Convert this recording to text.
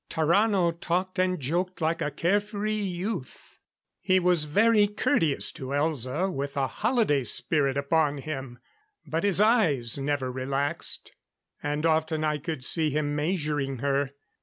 Tarrano talked and joked like a care free youth. He was very courteous to Elza, with a holiday spirit upon him. But his eyes never relaxed; and often I could see him measuring her.